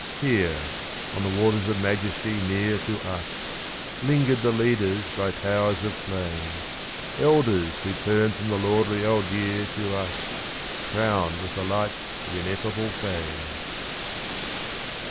Here, on the waters of majesty near to us, Lingered the leaders by towers of flame: Elders who turn from the lordly old year to us Crowned with the lights of ineffable fame.